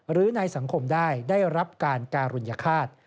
หรือในสังคมได้ได้รับการการุญฆาต